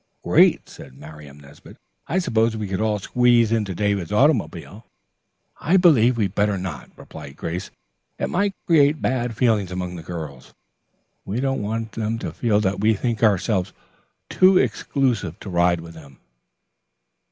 "Great," said Miriam Nesbit. "I suppose we could all squeeze into David's automobile." "I believe we'd better not," replied Grace. "It might create bad feeling among the girls. We don't want them to feel that we think ourselves too exclusive to ride with them."